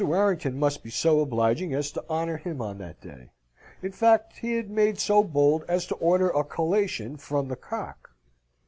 Warrington must be so obliging as to honour him on that day. In fact, he had made so bold as to order a collation from the Cock.